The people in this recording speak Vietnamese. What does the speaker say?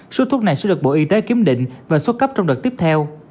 số thuốc này sẽ được bộ y tế kiểm định và xuất cấp trong đợt tiếp theo